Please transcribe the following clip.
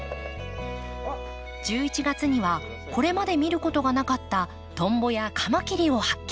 １１月にはこれまで見ることがなかったトンボやカマキリを発見。